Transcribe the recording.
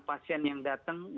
pasien yang datang